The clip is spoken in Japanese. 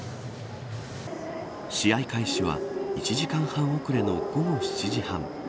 試合開始は１時間半遅れの午後７時半。